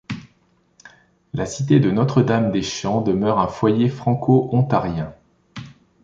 La cité de Notre-Dame-des-Champs demeure un foyer franco-ontarien.